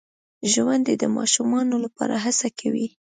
ژوندي د ماشومانو لپاره هڅه کوي